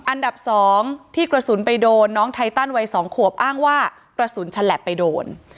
อันดับ๒ที่กระสุนไปโดนน้องไทตันวัย๒ขวบอ้างว่ากระสุนฉลับไปโดน